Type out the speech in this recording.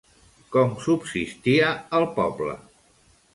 Com subsistia el poble?